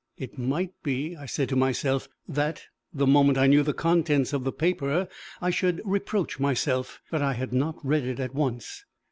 "It might be," I said to myself, "that, the moment I knew the contents of the paper, I should reproach myself that I had not read it at once!"